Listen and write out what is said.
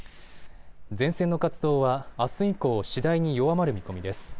前線の活動はあす以降、次第に弱まる見込みです。